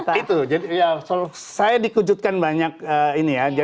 nah itu jadi ya saya dikujutkan banyak ini ya